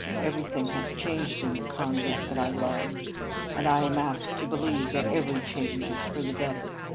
Everything has changed in the Convent that I loved, and I am asked to believe that every change is for the better.